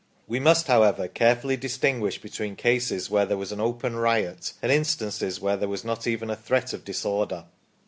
We must, however, carefully distinguish between cases where there was open riot, and instances where there was not even a threat of disorder.